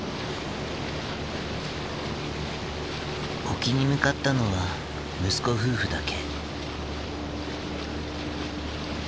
沖に向かったのは息子夫婦だけ。